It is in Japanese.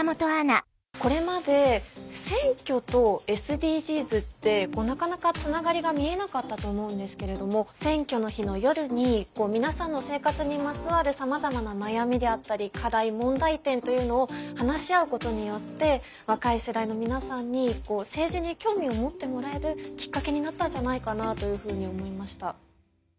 これまで選挙とＳＤＧｓってなかなかつながりが見えなかったと思うんですけれども選挙の日の夜に皆さんの生活にまつわるさまざまな悩みであったり課題問題点というのを話し合うことによって若い世代の皆さんに政治に興味を持ってもらえるきっかけになったんじゃないかなというふうに思いました。